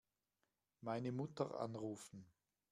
Meine Mutter anrufen.